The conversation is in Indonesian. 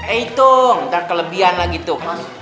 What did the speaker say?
eh itung ntar kelebihan lah gitu